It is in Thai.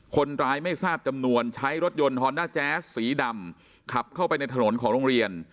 คนร้ายไม่ทราบจำนวนใช้รถยนต์ฮอนด้าแจ๊สสีดำขับเข้าไปในถนนของโรงเรียน